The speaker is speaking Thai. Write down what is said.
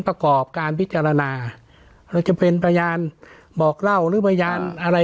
ประกอบการพิจารณาแล้วจะเป็นประแยนบอกเล่าหรือประแยนอะไร